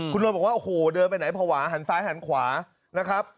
คุณนวลบอกว่าโอ้โหเดินไปไหนภาวะหันซ้ายหันขวานะครับ